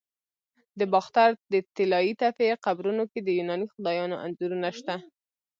د باختر د طلایی تپې قبرونو کې د یوناني خدایانو انځورونه شته